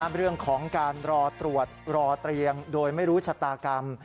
เรื่องของการรอตรวจรอเตียงโดยไม่รู้ชะตากรรม